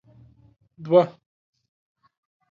دوه